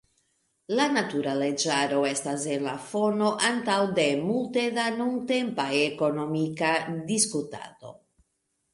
La natura leĝaro estas en la fono ankaŭ de multe da nuntempa ekonomika diskutado.